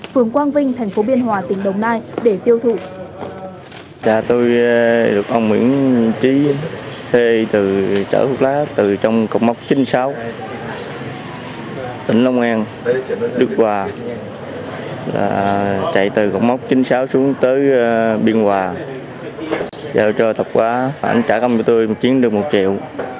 phường quang vinh thành phố biên hòa tỉnh đồng nai để tiêu thụ